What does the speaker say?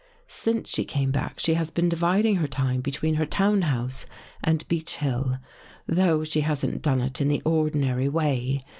Since she came back, she has been dividing her time between her town house and Beech Hill, though she hasn't done it in the ordinary way.